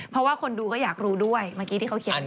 เพราะว่าคนดูก็อยากรู้ด้วยเมื่อกี้ที่เขาเขียนไว้